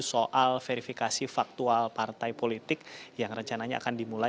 soal verifikasi faktual partai politik yang rencananya akan dimulai